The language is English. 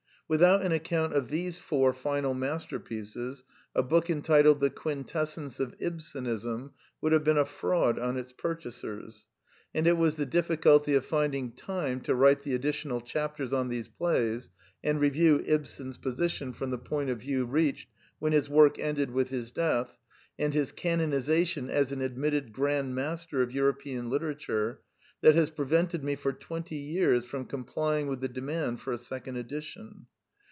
Without an account of these four final masterpieces, a book entitled The Quintessence of Ibsenism would have been a fraud on its pur chasers; and it was the difficulty of finding time to write the additional chapters on these plays and review Ibsen's position from the point of view reached when his work ended with his death and his canonization as an admitted grand master of European literature, that has prevented me for twenty years from complying with the demand for a second edition.